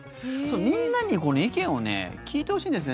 みんなに意見を聞いてほしいんです。